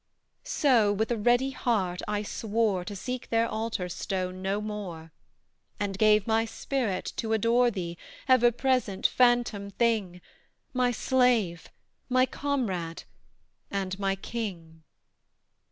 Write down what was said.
So, with a ready heart, I swore To seek their altar stone no more; And gave my spirit to adore Thee, ever present, phantom thing My slave, my comrade, and my king.